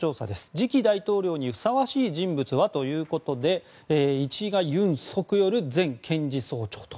次期大統領にふさわしい人物は？ということで１位がユン・ソクヨル前検事総長と。